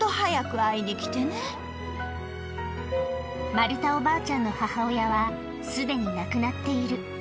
本当、マルタおばあちゃんの母親は、すでに亡くなっている。